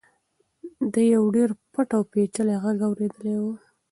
ده یو ډېر پټ او پېچلی غږ اورېدلی و.